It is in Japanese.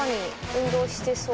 運動してそう」